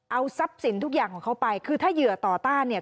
เอาทรัพย์สินทุกอย่างของเขาไปคือถ้าเหยื่อต่อต้านเนี่ย